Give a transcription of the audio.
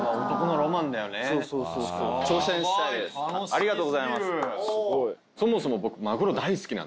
ありがとうございます。